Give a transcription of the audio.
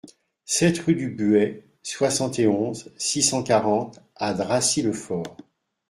sept rue du Buet, soixante et onze, six cent quarante à Dracy-le-Fort